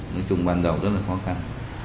nói chung ban đầu rất là khó khăn